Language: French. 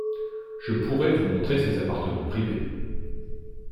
Je pourrais vous montrer ses appartements privés.